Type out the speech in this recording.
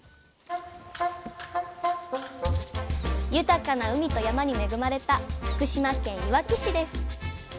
豊かな海と山に恵まれた福島県いわき市です。